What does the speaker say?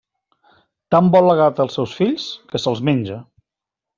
Tant vol la gata els seus fills, que se'ls menja.